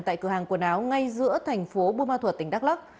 tại cửa hàng quần áo ngay giữa thành phố buôn ma thuật tỉnh đắk lắk